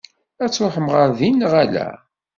Ad truḥem ɣer din neɣ ala?